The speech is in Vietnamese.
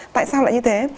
tại sao lại như thế